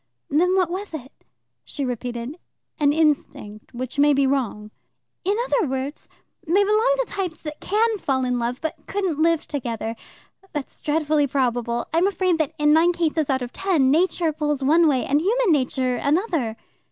"Then what was it?" She repeated: "An instinct which may be wrong." "In other words, they belong to types that can fall in love, but couldn't live together. That's dreadfully probable. I'm afraid that in nine cases out of ten Nature pulls one way and human nature another."